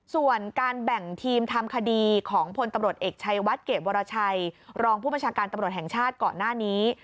ส่วนการแบ่งทีมทำคดีของพลตำรวจเอกชัยวัดเกรดวรชัยรองผู้บัญชาการตำรวจแห่งชาติก่อนหน้านี้